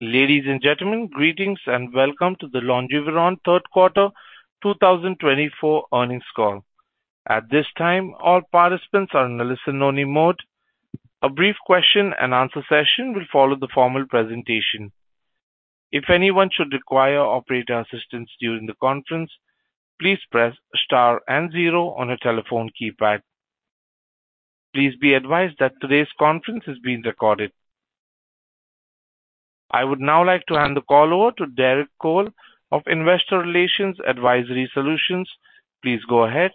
Ladies and gentlemen, greetings and welcome to the Longeveron Q3 2024 earnings call. At this time, all participants are in the listen-only mode. A brief question-and-answer session will follow the formal presentation. If anyone should require operator assistance during the conference, please press * and 0 on your telephone keypad. Please be advised that today's conference is being recorded. I would now like to hand the call over to Derek Cole of Investor Relations Advisory Solutions. Please go ahead.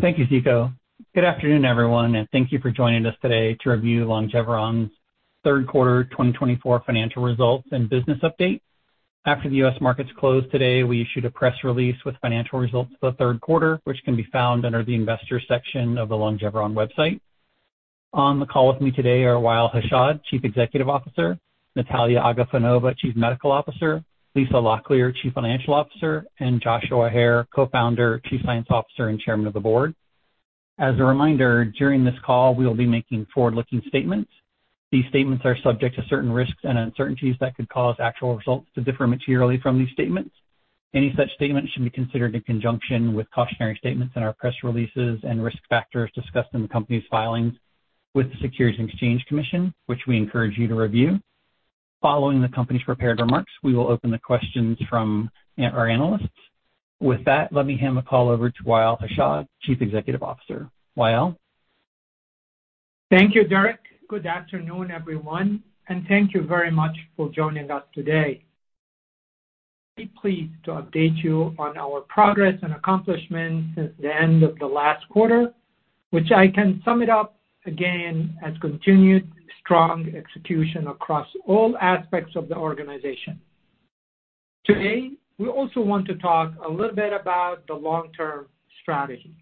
Thank you, Ziko. Good afternoon, everyone, and thank you for joining us today to review Longeveron's Q3 2024 financial results and business update. After the U.S. markets closed today, we issued a press release with financial results for the Q3, which can be found under the Investor section of the Longeveron website. On the call with me today are Wa'el Hashad, Chief Executive Officer, Nataliya Agafonova, Chief Medical Officer, Lisa Locklear, Chief Financial Officer, and Joshua Hare, Co-Founder, Chief Science Officer and Chairman of the Board. As a reminder, during this call, we will be making forward-looking statements. These statements are subject to certain risks and uncertainties that could cause actual results to differ materially from these statements. Any such statements should be considered in conjunction with cautionary statements in our press releases and risk factors discussed in the company's filings with the Securities and Exchange Commission, which we encourage you to review. Following the company's prepared remarks, we will open the questions from our analysts. With that, let me hand the call over to Wa'el Hashad, Chief Executive Officer. Wa'el. Thank you, Derek. Good afternoon, everyone, and thank you very much for joining us today. I'm pleased to update you on our progress and accomplishments since the end of the last quarter, which I can sum it up again as continued strong execution across all aspects of the organization. Today, we also want to talk a little bit about the long-term strategy.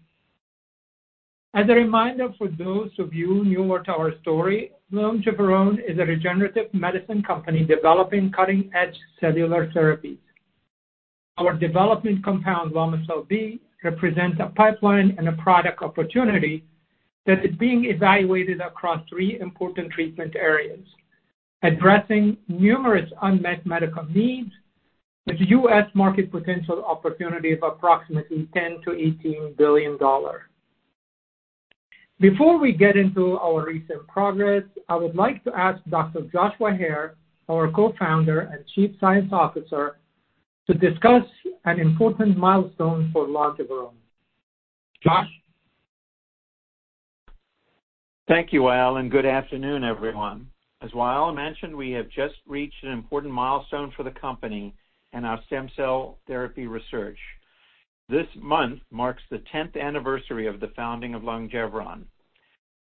As a reminder for those of you newer to our story, Longeveron is a regenerative medicine company developing cutting-edge cellular therapies. Our development compound, Lomecel-B, represents a pipeline and a product opportunity that is being evaluated across three important treatment areas, addressing numerous unmet medical needs with U.S. market potential opportunity of approximately $10 billion-$18 billion. Before we get into our recent progress, I would like to ask Dr. Joshua Hare, our Co-Founder and Chief Science Officer, to discuss an important milestone for Longeveron. Josh. Thank you, Wa'el, and good afternoon, everyone. As Wa'el mentioned, we have just reached an important milestone for the company and our stem cell therapy research. This month marks the 10th anniversary of the founding of Longeveron.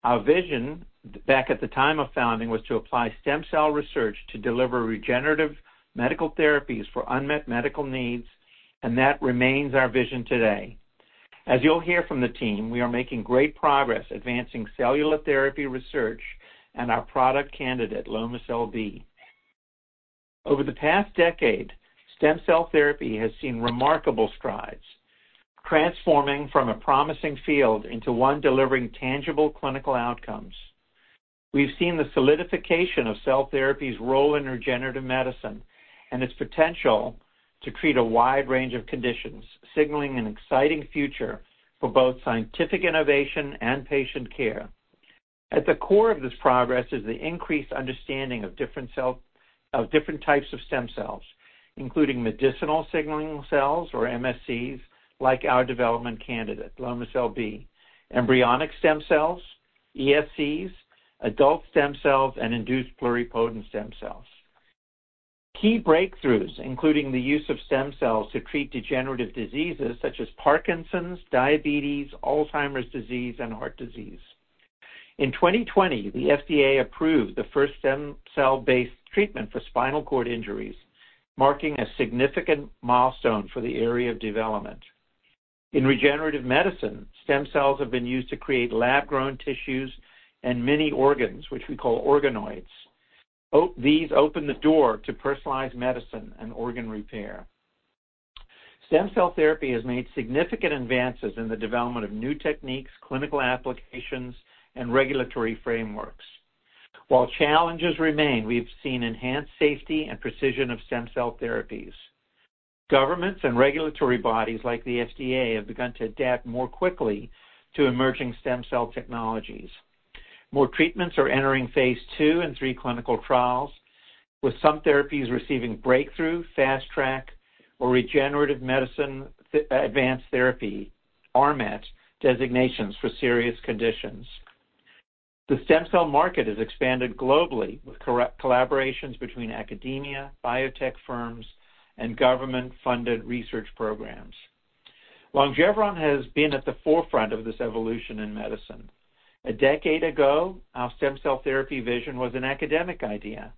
Our vision back at the time of founding was to apply stem cell research to deliver regenerative medical therapies for unmet medical needs, and that remains our vision today. As you'll hear from the team, we are making great progress advancing cellular therapy research and our product candidate, Lomecel-B. Over the past decade, stem cell therapy has seen remarkable strides, transforming from a promising field into one delivering tangible clinical outcomes. We've seen the solidification of cell therapy's role in regenerative medicine and its potential to treat a wide range of conditions, signaling an exciting future for both scientific innovation and patient care. At the core of this progress is the increased understanding of different types of stem cells, including medicinal signaling cells, or MSCs, like our development candidate, Lomecel-B, embryonic stem cells, ESCs, adult stem cells, and induced pluripotent stem cells. Key breakthroughs, including the use of stem cells to treat degenerative diseases such as Parkinson's, diabetes, Alzheimer's disease, and heart disease. In 2020, the FDA approved the first stem cell-based treatment for spinal cord injuries, marking a significant milestone for the area of development. In regenerative medicine, stem cells have been used to create lab-grown tissues and mini-organs, which we call organoids. These open the door to personalized medicine and organ repair. Stem cell therapy has made significant advances in the development of new techniques, clinical applications, and regulatory frameworks. While challenges remain, we've seen enhanced safety and precision of stem cell therapies. Governments and regulatory bodies like the FDA have begun to adapt more quickly to emerging stem cell technologies. More treatments are entering phase two and three clinical trials, with some therapies receiving breakthrough, fast-track, or regenerative medicine advanced therapy (RMAT) designations for serious conditions. The stem cell market has expanded globally, with collaborations between academia, biotech firms, and government-funded research programs. Longeveron has been at the forefront of this evolution in medicine. A decade ago, our stem cell therapy vision was an academic idea.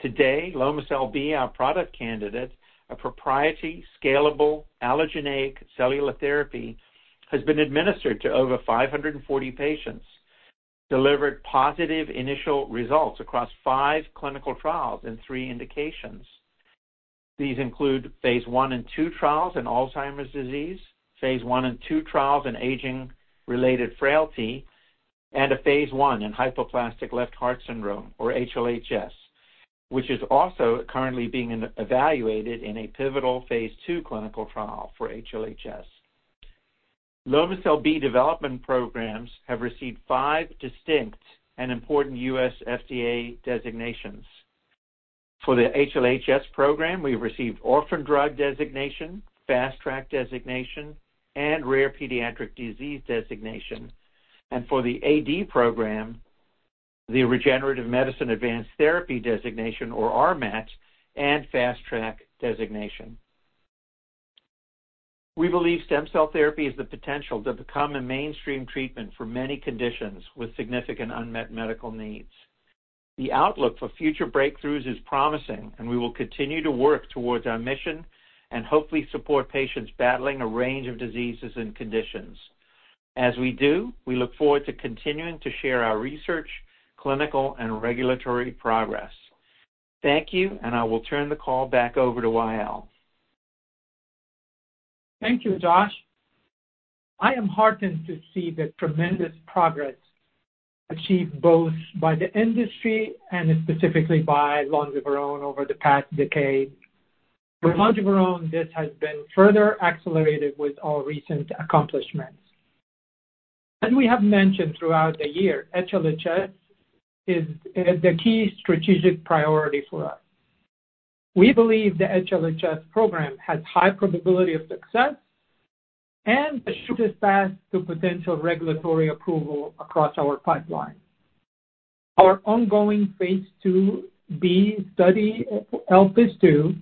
Today, Lomecel-B, our product candidate, a proprietary, scalable, allogeneic cellular therapy, has been administered to over 540 patients, delivered positive initial results across five clinical trials and three indications. These include phase one and two trials in Alzheimer's disease, phase one and two trials in aging-related frailty, and a phase one in hypoplastic left heart syndrome, or HLHS, which is also currently being evaluated in a pivotal phase two clinical trial for HLHS. Lomecel-B development programs have received five distinct and important U.S. FDA designations. For the HLHS program, we've received orphan drug designation, fast-track designation, and rare pediatric disease designation, and for the AD program, the regenerative medicine advanced therapy designation, or RMAT, and fast-track designation. We believe stem cell therapy is the potential to become a mainstream treatment for many conditions with significant unmet medical needs. The outlook for future breakthroughs is promising, and we will continue to work towards our mission and hopefully support patients battling a range of diseases and conditions. As we do, we look forward to continuing to share our research, clinical, and regulatory progress. Thank you, and I will turn the call back over to Wa'el. Thank you, Josh. I am heartened to see the tremendous progress achieved both by the industry and specifically by Longeveron over the past decade. For Longeveron, this has been further accelerated with our recent accomplishments. As we have mentioned throughout the year, HLHS is the key strategic priority for us. We believe the HLHS program has a high probability of success, and the path is fast to potential regulatory approval across our pipeline. Our ongoing phase IIb study, ELPIS II,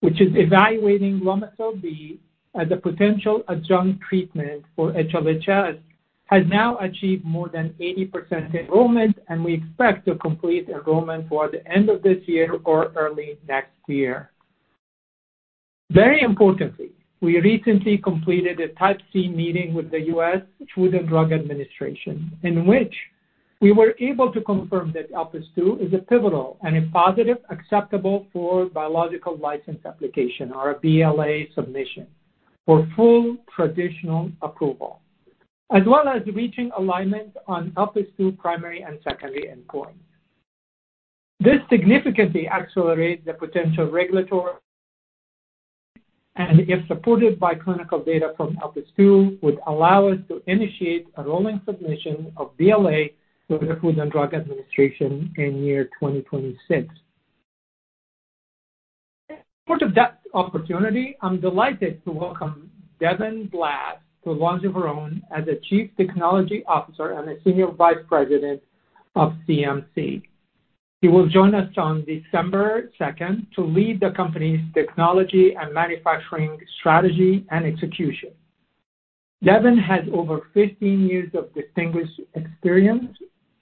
which is evaluating Lomecel-B as a potential adjunct treatment for HLHS, has now achieved more than 80% enrollment, and we expect to complete enrollment toward the end of this year or early next year. Very importantly, we recently completed a Type C meeting with the U.S. Food and Drug Administration, in which we were able to confirm that ELPIS II is a pivotal and a positive, acceptable for biologics license application, or a BLA submission, for full traditional approval, as well as reaching alignment on ELPIS II primary and secondary endpoints. This significantly accelerates the potential regulatory and, if supported by clinical data from ELPIS II, would allow us to initiate a rolling submission of BLA to the Food and Drug Administration in year 2026. In support of that opportunity, I'm delighted to welcome Devin Blass to Longeveron as a Chief Technology Officer and a Senior Vice President of CMC. He will join us on December 2nd to lead the company's technology and manufacturing strategy and execution. Devin has over 15 years of distinguished experience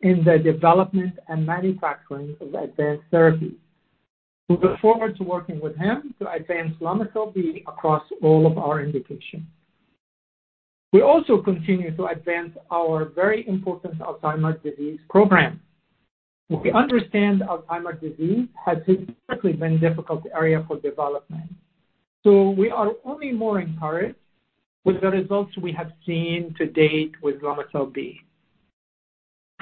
in the development and manufacturing of advanced therapies. We look forward to working with him to advance Lomecel-B across all of our indications. We also continue to advance our very important Alzheimer's disease program. We understand Alzheimer's disease has historically been a difficult area for development, so we are only more encouraged with the results we have seen to date with Lomecel-B.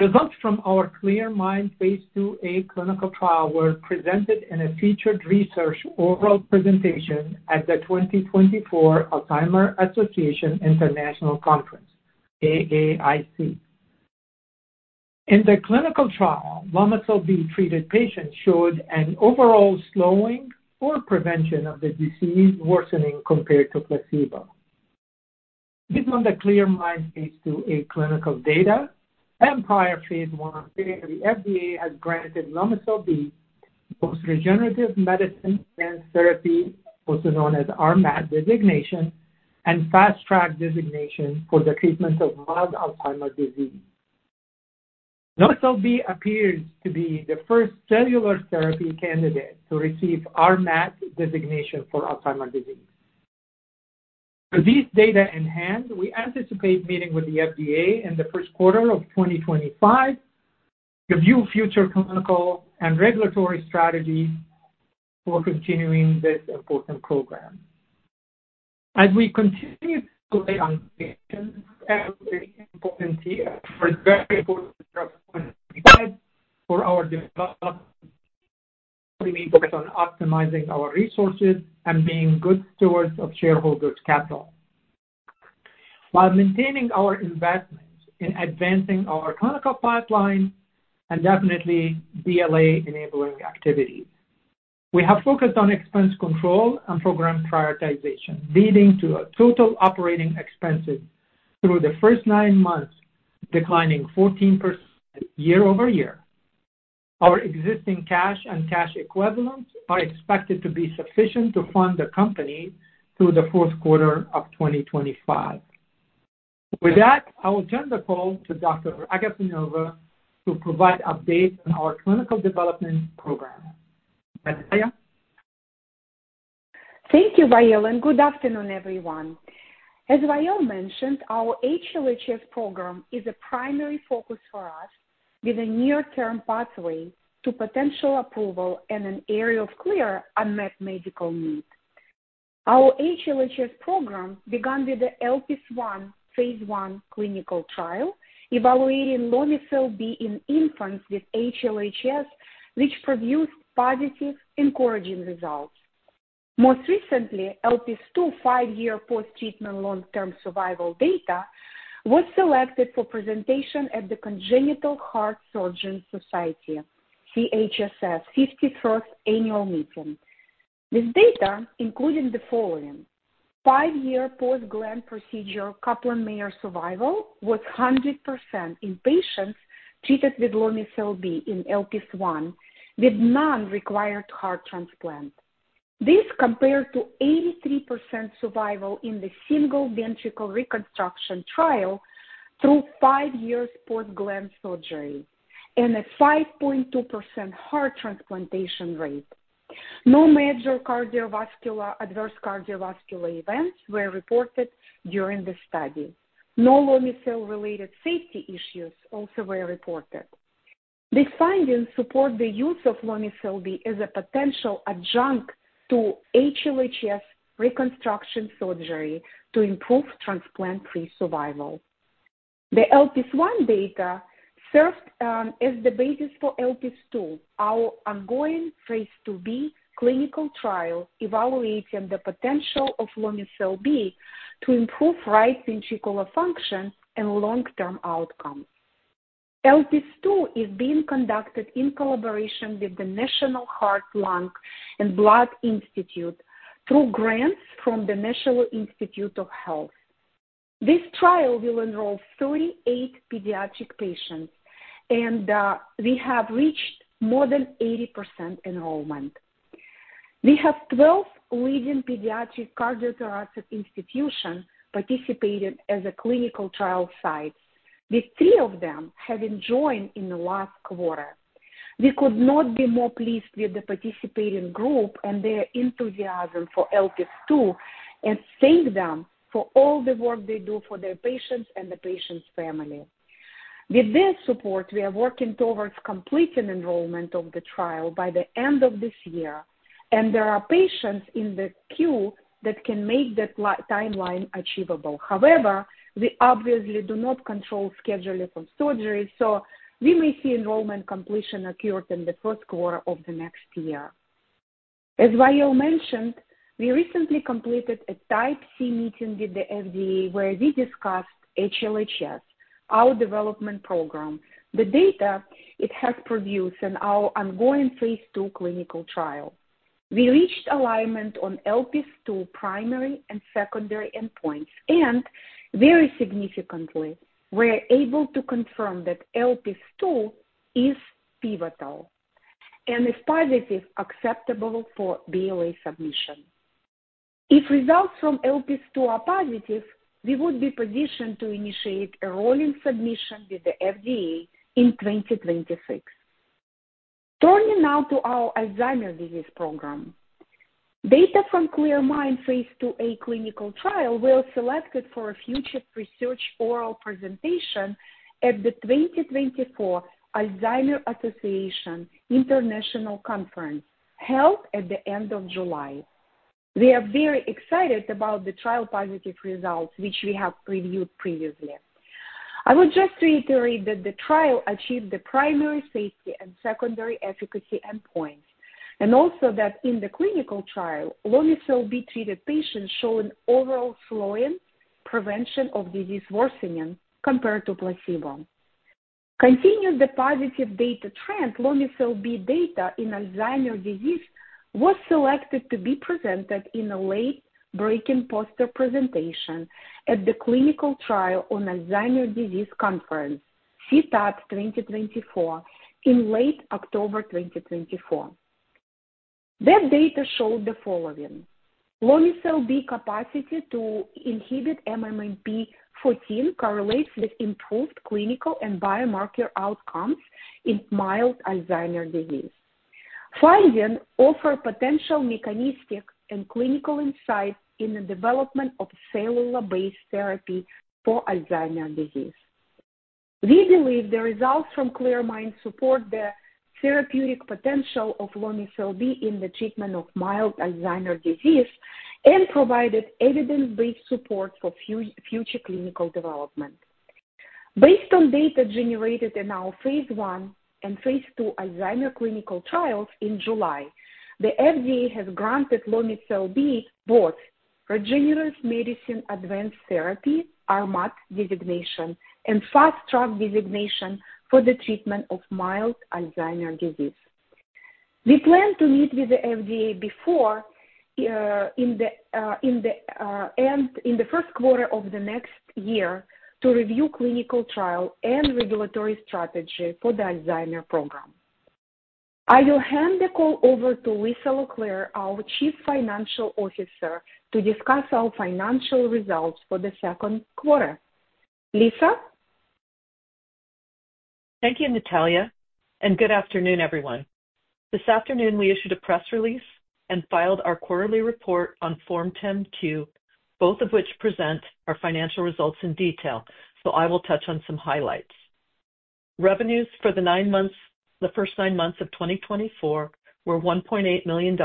Results from our ClearMind phase IIa clinical trial were presented in a featured research oral presentation at the 2024 Alzheimer's Association International Conference, AAIC. In the clinical trial, Lomecel-B treated patients showed an overall slowing or prevention of the disease worsening compared to placebo. Based on the ClearMind phase IIa clinical data and prior phase Ia, the FDA has granted Lomecel-B regenerative medicine advanced therapy, also known as RMAT designation, and fast-track designation for the treatment of mild Alzheimer's disease. Lomecel-B appears to be the first cellular therapy candidate to receive RMAT designation for Alzheimer's disease. With these data in hand, we anticipate meeting with the FDA in the first quarter of 2025 to review future clinical and regulatory strategies for continuing this important program. As we continue to enroll patients every year, it's very important to stress one thing: for our development, we focus on optimizing our resources and being good stewards of shareholders' capital, while maintaining our investments in advancing our clinical pipeline and definitely BLA-enabling activities. We have focused on expense control and program prioritization, leading to total operating expenses through the first nine months declining 14% year-over-year. Our existing cash and cash equivalents are expected to be sufficient to fund the company through the fourth quarter of 2025. With that, I will turn the call to Dr. Agafonova to provide updates on our clinical development program. Nataliya. Thank you, Wa'el, and good afternoon, everyone. As Wa'el mentioned, our HLHS program is a primary focus for us with a near-term pathway to potential approval and an area of clear unmet medical need. Our HLHS program began with the ELPIS I phase one clinical trial evaluating Lomecel-B in infants with HLHS, which produced positive encouraging results. Most recently, ELPIS II five-year post-treatment long-term survival data was selected for presentation at the Congenital Heart Surgeons Society, CHSS, 51st annual meeting. This data included the following: five-year post-Glenn procedure Kaplan-Meier survival was 100% in patients treated with Lomecel-B in ELPIS I with no required heart transplant. This compared to 83% survival in the single ventricle reconstruction trial through five years post-Glenn surgery and a 5.2% heart transplantation rate. No major cardiovascular adverse events were reported during the study. No Lomecel-related safety issues also were reported. These findings support the use of Lomecel-B as a potential adjunct to HLHS reconstruction surgery to improve transplant-free survival. The ELPIS I data served as the basis for ELPIS II, our ongoing phase IIb clinical trial evaluating the potential of Lomecel-B to improve right ventricular function and long-term outcomes. ELPIS II is being conducted in collaboration with the National Heart, Lung, and Blood Institute through grants from the National Institutes of Health. This trial will enroll 38 pediatric patients, and we have reached more than 80% enrollment. We have 12 leading pediatric cardiothoracic institutions participating as clinical trial sites, with three of them having joined in the last quarter. We could not be more pleased with the participating group and their enthusiasm for ELPIS II and thank them for all the work they do for their patients and the patients' family. With their support, we are working towards completing enrollment of the trial by the end of this year, and there are patients in the queue that can make that timeline achievable. However, we obviously do not control scheduling for surgery, so we may see enrollment completion occurred in the first quarter of the next year. As Wa'el mentioned, we recently completed a Type C meeting with the FDA where we discussed HLHS, our development program, the data it has produced in our ongoing phase II clinical trial. We reached alignment on ELPIS II primary and secondary endpoints, and very significantly, we're able to confirm that ELPIS II is pivotal and is positive, acceptable for BLA submission. If results from ELPIS II are positive, we would be positioned to initiate a rolling submission with the FDA in 2026. Turning now to our Alzheimer's disease program, data from ClearMind phase IIa clinical trial were selected for a future research oral presentation at the 2024 Alzheimer's Association International Conference held at the end of July. We are very excited about the trial positive results, which we have previewed previously. I would just reiterate that the trial achieved the primary safety and secondary efficacy endpoints, and also that in the clinical trial, Lomecel-B treated patients showed overall slowing prevention of disease worsening compared to placebo. Continuing the positive data trend, Lomecel-B data in Alzheimer's disease was selected to be presented in a late-breaking poster presentation at the Clinical Trials on Alzheimer's Disease conference, CTAD 2024, in late October 2024. That data showed the following: Lomecel-B capacity to inhibit MMP-14 correlates with improved clinical and biomarker outcomes in mild Alzheimer's disease. Findings offer potential mechanistic and clinical insights in the development of cellular-based therapy for Alzheimer's disease. We believe the results from ClearMind support the therapeutic potential of Lomecel-B in the treatment of mild Alzheimer's disease and provided evidence-based support for future clinical development. Based on data generated in our phase one and phase two Alzheimer's clinical trials in July, the FDA has granted Lomecel-B both regenerative medicine advanced therapy, RMAT designation, and fast-track designation for the treatment of mild Alzheimer's disease. We plan to meet with the FDA before the end of the first quarter of the next year to review clinical trial and regulatory strategy for the Alzheimer's program. I will hand the call over to Lisa Locklear, our Chief Financial Officer, to discuss our financial results for the second quarter. Lisa. Thank you, Nataliya, and good afternoon, everyone. This afternoon, we issued a press release and filed our quarterly report on Form 10-Q, both of which present our financial results in detail, so I will touch on some highlights. Revenues for the nine months, the first nine months of 2024, were $1.8 million,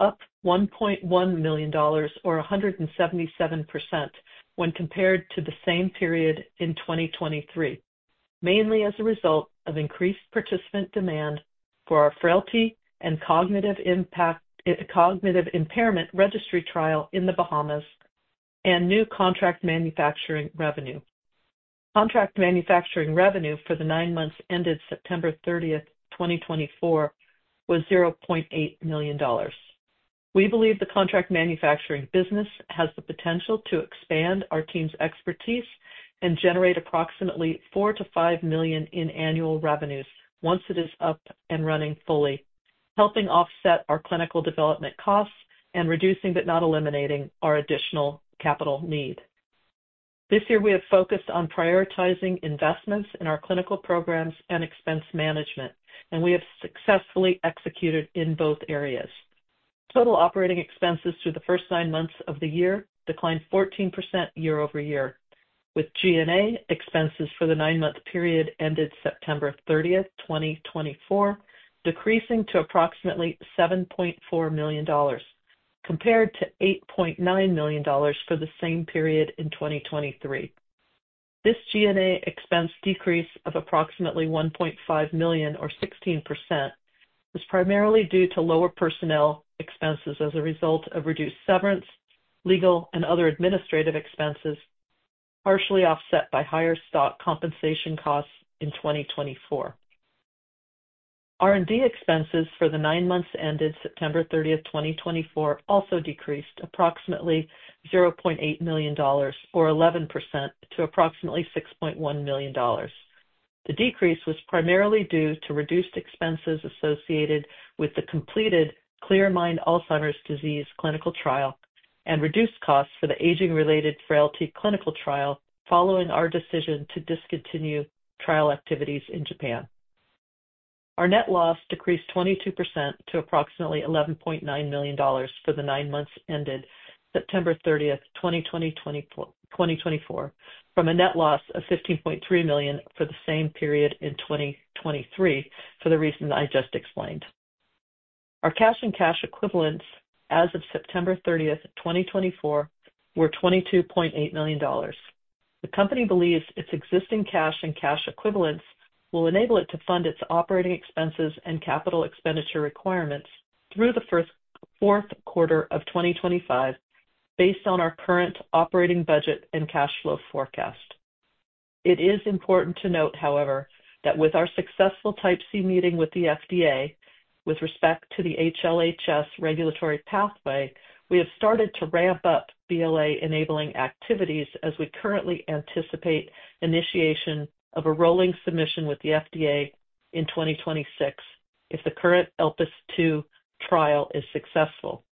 up $1.1 million, or 177% when compared to the same period in 2023, mainly as a result of increased participant demand for our frailty and cognitive impairment registry trial in the Bahamas and new contract manufacturing revenue. Contract manufacturing revenue for the nine months ended September 30th, 2024, was $0.8 million. We believe the contract manufacturing business has the potential to expand our team's expertise and generate approximately $4 million-$5 million in annual revenues once it is up and running fully, helping offset our clinical development costs and reducing but not eliminating our additional capital need. This year, we have focused on prioritizing investments in our clinical programs and expense management, and we have successfully executed in both areas. Total operating expenses through the first nine months of the year declined 14% year-over-year, with G&A expenses for the nine-month period ended September 30th, 2024, decreasing to approximately $7.4 million, compared to $8.9 million for the same period in 2023. This G&A expense decrease of approximately $1.5 million, or 16%, is primarily due to lower personnel expenses as a result of reduced severance, legal, and other administrative expenses, partially offset by higher stock compensation costs in 2024. R&D expenses for the nine months ended September 30th, 2024, also decreased approximately $0.8 million, or 11%, to approximately $6.1 million. The decrease was primarily due to reduced expenses associated with the completed ClearMind Alzheimer's disease clinical trial and reduced costs for the aging-related frailty clinical trial following our decision to discontinue trial activities in Japan. Our net loss decreased 22% to approximately $11.9 million for the nine months ended September 30th, 2024, from a net loss of $15.3 million for the same period in 2023 for the reasons I just explained. Our cash and cash equivalents as of September 30th, 2024, were $22.8 million. The company believes its existing cash and cash equivalents will enable it to fund its operating expenses and capital expenditure requirements through the fourth quarter of 2025 based on our current operating budget and cash flow forecast. It is important to note, however, that with our successful Type C Meeting with the FDA with respect to the HLHS regulatory pathway, we have started to ramp up BLA-enabling activities as we currently anticipate initiation of a Rolling Submission with the FDA in 2026 if the current ELPIS II trial is successful.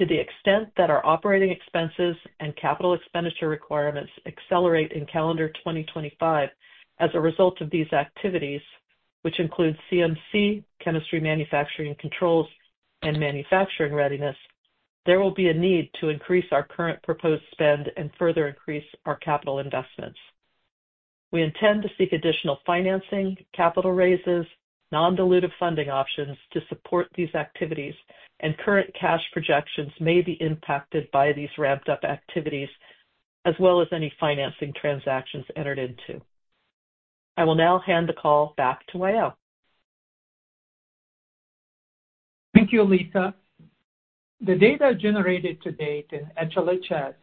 To the extent that our operating expenses and capital expenditure requirements accelerate in calendar 2025 as a result of these activities, which include CMC, chemistry manufacturing controls, and manufacturing readiness, there will be a need to increase our current proposed spend and further increase our capital investments. We intend to seek additional financing, capital raises, non-dilutive funding options to support these activities, and current cash projections may be impacted by these ramped-up activities, as well as any financing transactions entered into. I will now hand the call back to Wa'el. Thank you, Lisa. The data generated to date in HLHS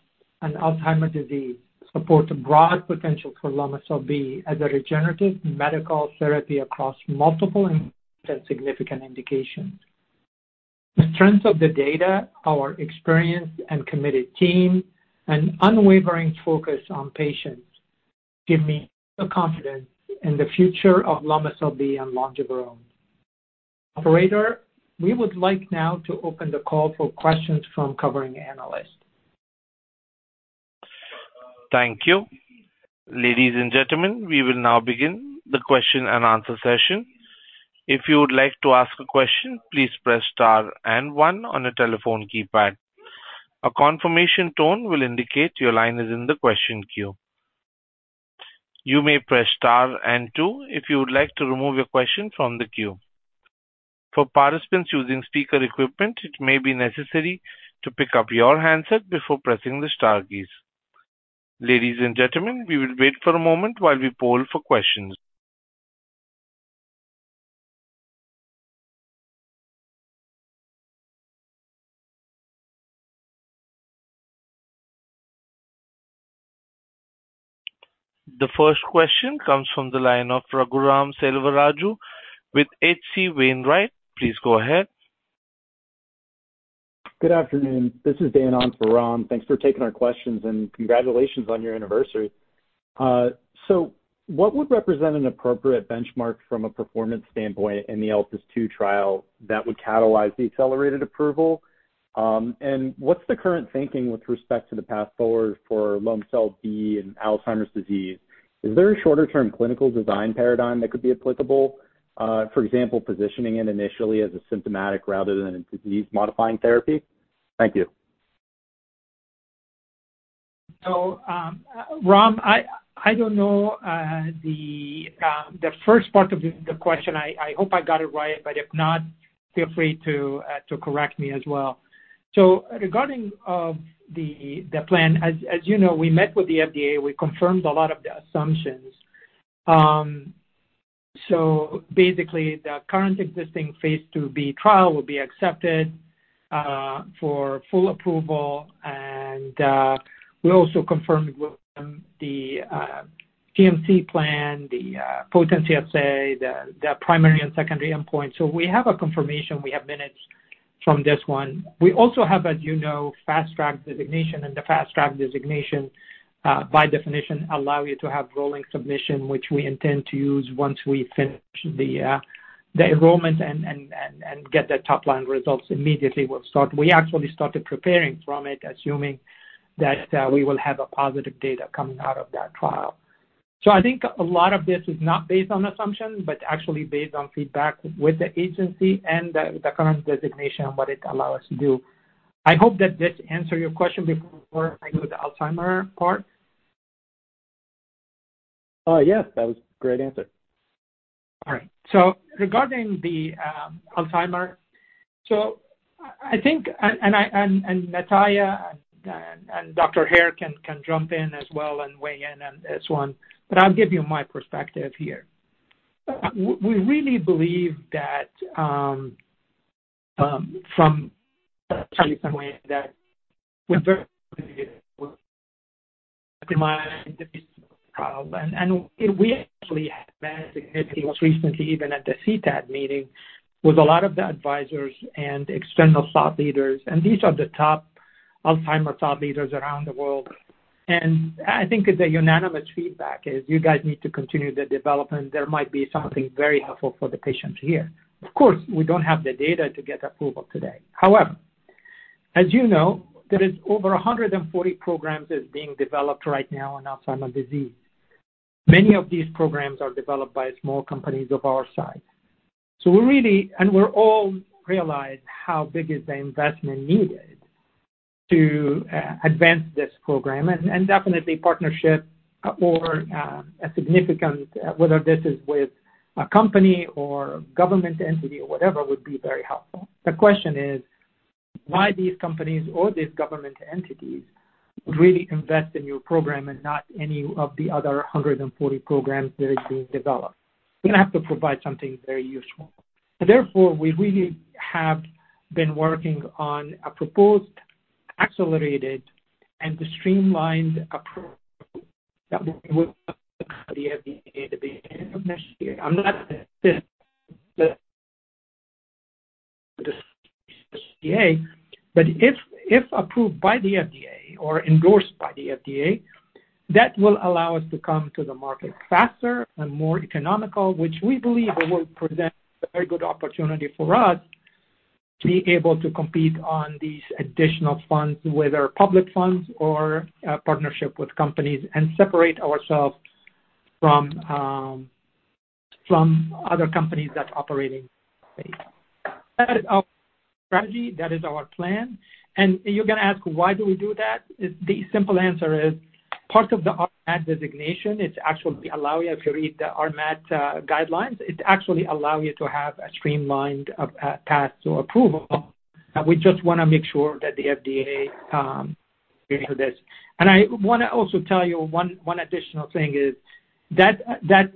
and Alzheimer's disease support a broad potential for Lomecel-B as a regenerative medical therapy across multiple and significant indications. The strength of the data, our experienced and committed team, and unwavering focus on patients give me the confidence in the future of Lomecel-B and Longeveron. Operator, we would like now to open the call for questions from covering analysts. Thank you. Ladies and gentlemen, we will now begin the question and answer session. If you would like to ask a question, please press star and one on a telephone keypad. A confirmation tone will indicate your line is in the question queue. You may press star and two if you would like to remove your question from the queue. For participants using speaker equipment, it may be necessary to pick up your handset before pressing the star keys. Ladies and gentlemen, we will wait for a moment while we poll for questions. The first question comes from the line of Raghuram Selvaraju with H.C. Wainwright. Please go ahead. Good afternoon. This is Ram Selvaraju. Thanks for taking our questions and congratulations on your anniversary. So what would represent an appropriate benchmark from a performance standpoint in the ELPIS II trial that would catalyze the accelerated approval? And what's the current thinking with respect to the path forward for Lomecel-B and Alzheimer's disease? Is there a shorter-term clinical design paradigm that could be applicable, for example, positioning it initially as a symptomatic rather than a disease-modifying therapy? Thank you. Raghuram, I don't know the first part of the question. I hope I got it right, but if not, feel free to correct me as well. Regarding the plan, as you know, we met with the FDA. We confirmed a lot of the assumptions. Basically, the current existing phase IIb trial will be accepted for full approval, and we also confirmed with them the CMC plan, the potency assay, the primary and secondary endpoints. We have a confirmation. We have minutes from this one. We also have, as you know, Fast Track Designation, and the Fast Track Designation, by definition, allows you to have Rolling Submission, which we intend to use once we finish the enrollment and get the top-line results. Immediately we'll start. We actually started preparing for it, assuming that we will have positive data coming out of that trial. So I think a lot of this is not based on assumption, but actually based on feedback with the agency and the current designation and what it allows us to do. I hope that this answers your question before I go to the Alzheimer's part. Yes, that was a great answer. All right. So regarding the Alzheimer's, so I think, and Nataliya and Dr. Hare can jump in as well and weigh in on this one, but I'll give you my perspective here. We really believe that from a certain way that we're very optimized in this trial, and we actually had significant most recently, even at the CTAD meeting with a lot of the advisors and external thought leaders, and these are the top Alzheimer's thought leaders around the world. And I think the unanimous feedback is, "You guys need to continue the development. There might be something very helpful for the patients here." Of course, we don't have the data to get approval today. However, as you know, there are over 140 programs being developed right now in Alzheimer's disease. Many of these programs are developed by small companies of our size. We're really, and we're all realizing how big is the investment needed to advance this program, and definitely partnership or a significant, whether this is with a company or government entity or whatever, would be very helpful. The question is, why these companies or these government entities would really invest in your program and not any of the other 140 programs that are being developed? We're going to have to provide something very useful. Therefore, we really have been working on a proposed accelerated and streamlined approach that we will look at the FDA at the beginning of next year. I'm not the CDA, but if approved by the FDA or endorsed by the FDA, that will allow us to come to the market faster and more economical, which we believe will present a very good opportunity for us to be able to compete on these additional funds, whether public funds or partnership with companies, and separate ourselves from other companies that are operating in the space. That is our strategy. That is our plan, and you're going to ask, "Why do we do that?" The simple answer is part of the RMAT designation, it's actually allowing you, if you read the RMAT guidelines, it's actually allowing you to have a streamlined path to approval. We just want to make sure that the FDA is doing this. I want to also tell you one additional thing, that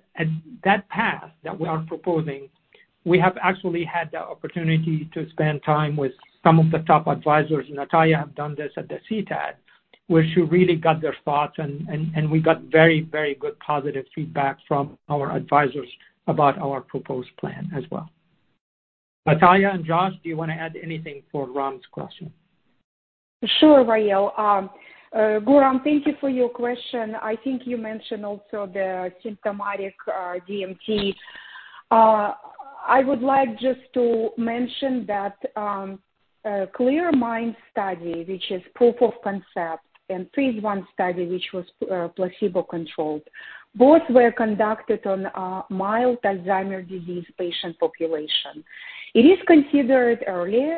path that we are proposing. We have actually had the opportunity to spend time with some of the top advisors, and Nataliya has done this at the CTAD, where she really got their thoughts, and we got very, very good positive feedback from our advisors about our proposed plan as well. Nataliya and Josh, do you want to add anything for Ram's question? Sure, Wa'el. Ram, thank you for your question. I think you mentioned also the symptomatic DMT. I would like just to mention that ClearMind study, which is proof of concept, and phase I study, which was placebo-controlled, both were conducted on mild Alzheimer's disease patient population. It is considered early.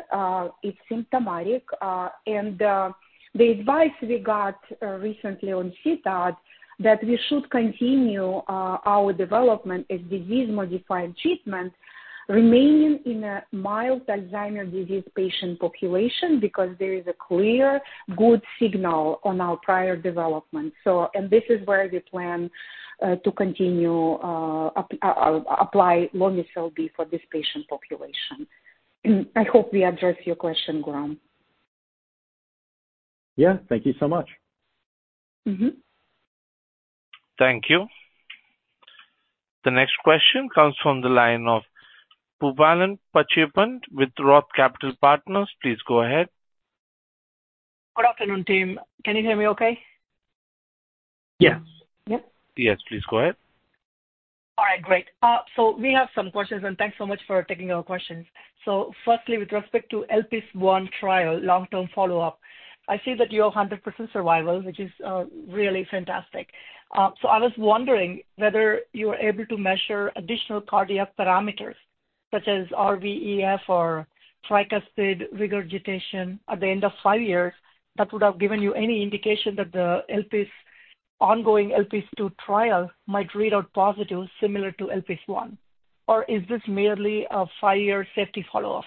It's symptomatic. And the advice we got recently at CTAD that we should continue our development as disease-modifying treatment, remaining in a mild Alzheimer's disease patient population because there is a clear good signal on our prior development. And this is where we plan to continue to apply Lomecel-B for this patient population. I hope we addressed your question, Ghuram. Yeah. Thank you so much. Mm-hmm. Thank you. The next question comes from the line of Boobalan Pachaiyappan with Roth Capital Partners. Please go ahead. Good afternoon, team. Can you hear me okay? Yes. Yep. Yes. Please go ahead. All right. Great. So we have some questions, and thanks so much for taking our questions. So firstly, with respect to ELPIS I trial, long-term follow-up, I see that you have 100% survival, which is really fantastic. So I was wondering whether you were able to measure additional cardiac parameters such as RVEF or tricuspid regurgitation at the end of five years that would have given you any indication that the ongoing ELPIS II trial might read out positive similar to ELPIS I? Or is this merely a five-year safety follow-up?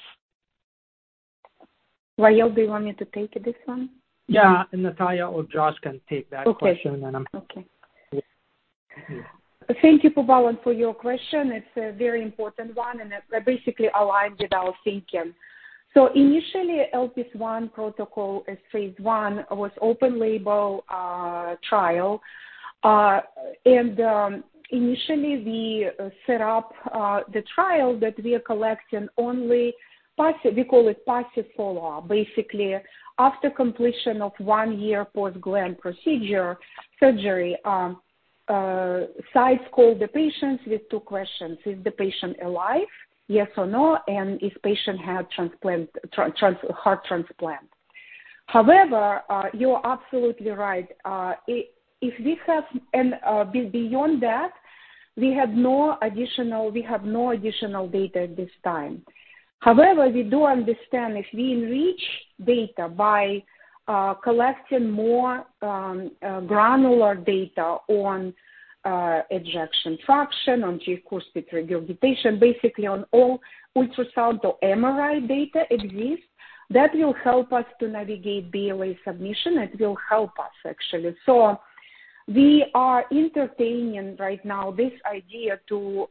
Wa'el, do you want me to take this one? Yeah, and Nataliya or Josh can take that question. Okay. Okay. Thank you, Boobalan, for your question. It's a very important one, and it basically aligns with our thinking. So initially, ELPIS I protocol as phase one was open-label trial, and initially, we set up the trial that we are collecting only we call it passive follow-up. Basically, after completion of one year post-Glenn procedure surgery, sites call the patients with two questions. Is the patient alive? Yes or no? And if the patient had heart transplant. However, you are absolutely right. If we have beyond that, we have no additional data at this time. However, we do understand if we enrich data by collecting more granular data on ejection fraction, on tricuspid regurgitation, basically on all ultrasound or MRI data exist, that will help us to navigate BLA submission. It will help us, actually. So we are entertaining right now this idea to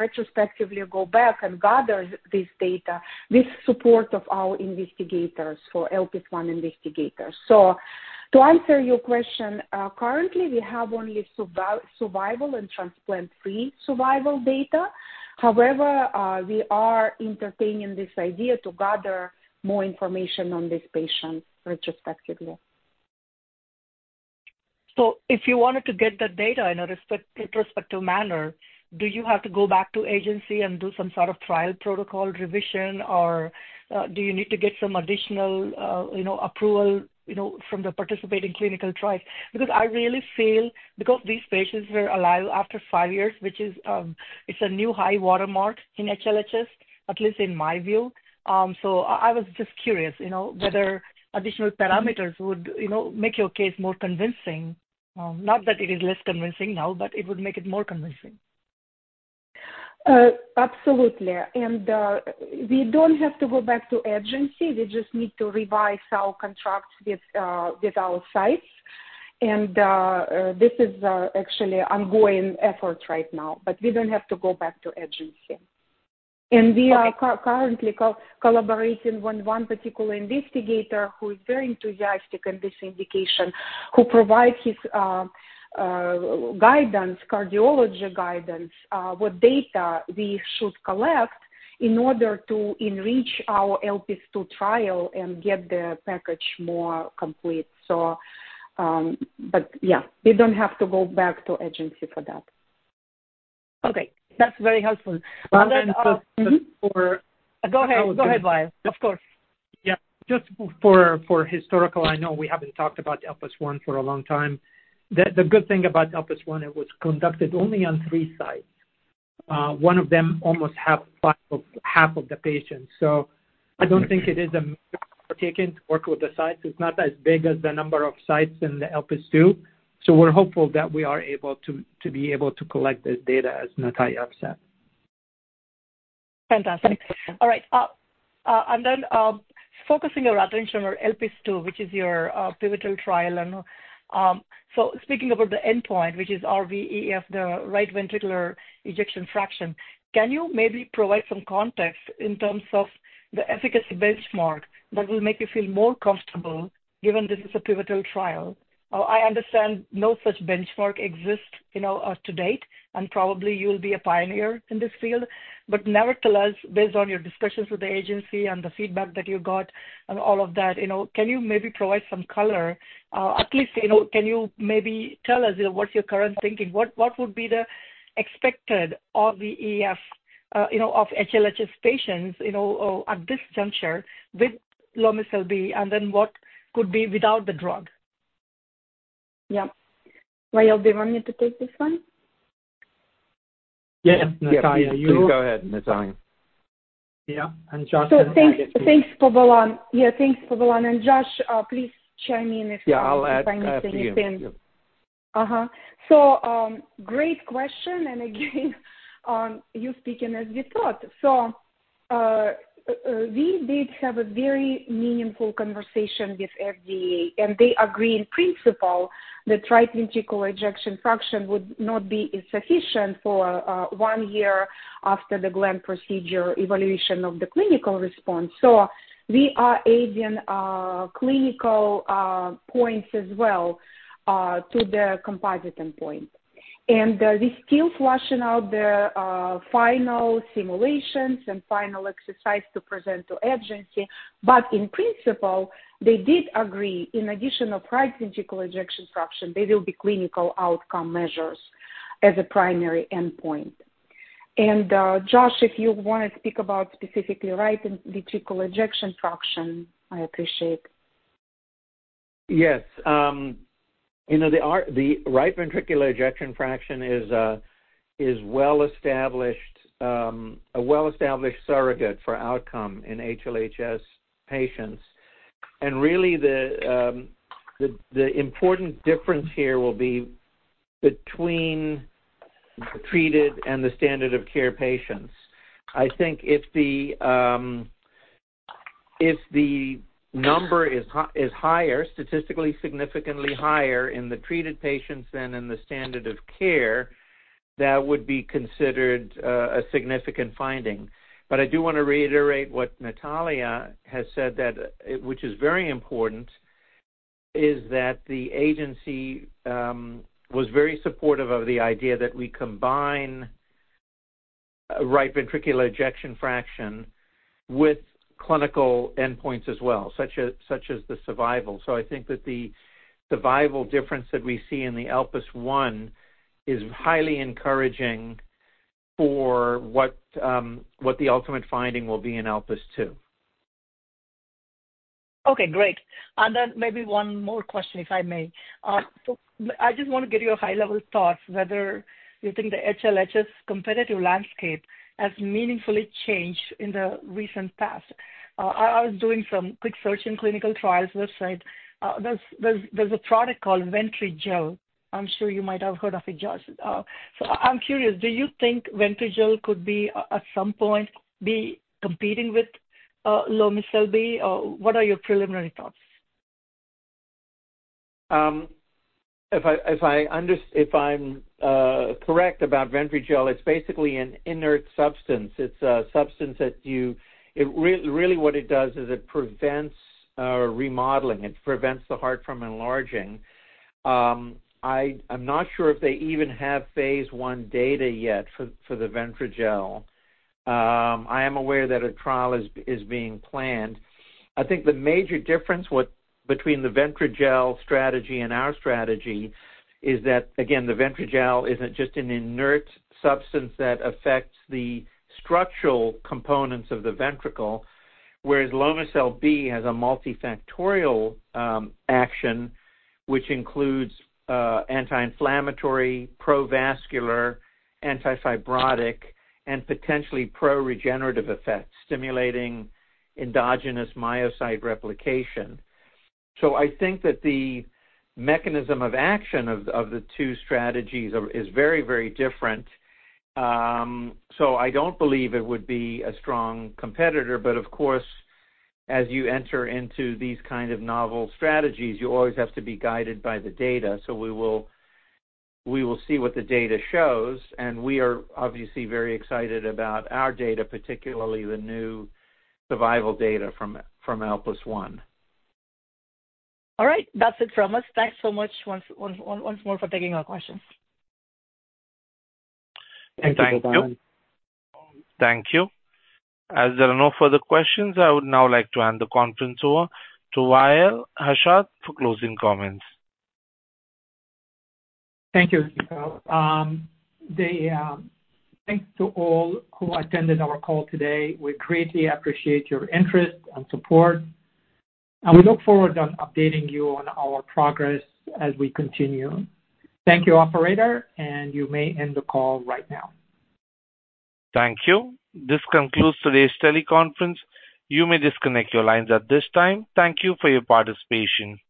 retrospectively go back and gather this data with support of our investigators for ELPIS I investigators. So to answer your question, currently, we have only survival and transplant-free survival data. However, we are entertaining this idea to gather more information on this patient retrospectively. So if you wanted to get the data in a retrospective manner, do you have to go back to agency and do some sort of trial protocol revision, or do you need to get some additional approval from the participating clinical trials? Because I really feel because these patients were alive after five years, which is a new high watermark in HLHS, at least in my view. So I was just curious whether additional parameters would make your case more convincing. Not that it is less convincing now, but it would make it more convincing. Absolutely. And we don't have to go back to agency. We just need to revise our contracts with our sites. And this is actually an ongoing effort right now, but we don't have to go back to agency. And we are currently collaborating with one particular investigator who is very enthusiastic in this indication, who provides his guidance, cardiology guidance, what data we should collect in order to enrich our ELPIS II trial and get the package more complete. But yeah, we don't have to go back to agency for that. Okay. That's very helpful. And then for. Go ahead. Go ahead, Wa'el. Of course. Yeah. Just for historical, I know we haven't talked about ELPIS I for a long time. The good thing about ELPIS I, it was conducted only on three sites. One of them almost half of the patients. So I don't think it is a major undertaking to work with the sites. It's not as big as the number of sites in the ELPIS II. So we're hopeful that we are able to collect this data, as Nataliya said. Fantastic. All right. Then focusing your attention on ELPIS II, which is your pivotal trial. So speaking about the endpoint, which is RVEF, the right ventricular ejection fraction, can you maybe provide some context in terms of the efficacy benchmark that will make you feel more comfortable given this is a pivotal trial? I understand no such benchmark exists to date, and probably you will be a pioneer in this field. But nevertheless, based on your discussions with the agency and the feedback that you got and all of that, can you maybe provide some color? At least, can you maybe tell us what's your current thinking? What would be the expected RVEF of HLHS patients at this juncture with Lomecel-B, and then what could be without the drug? Yeah. Wa'el, do you want me to take this one? Yeah. Nataliya, you go ahead, Nataliya. Yeah. And Josh, that's all I can say. So thanks, Boobalan. Yeah. Thanks, Boobalan. And Josh, please chime in if you have anything you think. Yeah. I'll add to what you said. Great question. Again, you're speaking as you thought. We did have a very meaningful conversation with FDA, and they agree in principle that right ventricular ejection fraction would not be sufficient for one year after the Glenn procedure evaluation of the clinical response. We are adding clinical points as well to the composite endpoint. We're still fleshing out the final simulations and final exercise to present to agency. In principle, they did agree, in addition to right ventricular ejection fraction, there will be clinical outcome measures as a primary endpoint. Josh, if you want to speak about specifically right ventricular ejection fraction, I appreciate it. Yes. The right ventricular ejection fraction is a well-established surrogate for outcome in HLHS patients. And really, the important difference here will be between the treated and the standard of care patients. I think if the number is higher, statistically significantly higher in the treated patients than in the standard of care, that would be considered a significant finding. But I do want to reiterate what Nataliya has said, which is very important, is that the agency was very supportive of the idea that we combine right ventricular ejection fraction with clinical endpoints as well, such as the survival. So I think that the survival difference that we see in the ELPIS I is highly encouraging for what the ultimate finding will be in ELPIS II. Okay. Great, and then maybe one more question, if I may. I just want to get your high-level thoughts, whether you think the HLHS competitive landscape has meaningfully changed in the recent past. I was doing some quick search in the clinical trials website. There's a product called VentriGel. I'm sure you might have heard of it, Josh. So I'm curious, do you think VentriGel could at some point be competing with Lomecel-B? What are your preliminary thoughts? If I'm correct about VentriGel, it's basically an inert substance. It's a substance that you really, what it does is it prevents remodeling. It prevents the heart from enlarging. I'm not sure if they even have phase I data yet for the VentriGel. I am aware that a trial is being planned. I think the major difference between the VentriGel strategy and our strategy is that, again, the VentriGel isn't just an inert substance that affects the structural components of the ventricle, whereas Lomecel-B has a multifactorial action, which includes anti-inflammatory, provascular, antifibrotic, and potentially pro-regenerative effects, stimulating endogenous myocyte replication. So I think that the mechanism of action of the two strategies is very, very different. So I don't believe it would be a strong competitor. But of course, as you enter into these kind of novel strategies, you always have to be guided by the data. So we will see what the data shows. And we are obviously very excited about our data, particularly the new survival data from ELPIS I. All right. That's it from us. Thanks so much. Once more, for taking our questions. Thank you, Boobalan. Thank you. As there are no further questions, I would now like to hand the conference over to Wa'el Hashad for closing comments. Thank you. Thanks to all who attended our call today. We greatly appreciate your interest and support, and we look forward to updating you on our progress as we continue. Thank you, operator, and you may end the call right now. Thank you. This concludes today's teleconference. You may disconnect your lines at this time. Thank you for your participation.